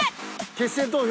決選投票。